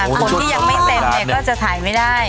คนที่ยังไม่เต็มก็จะถ่ายไม่ได้